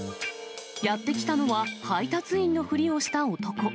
やって来たのは、配達員のふりをした男。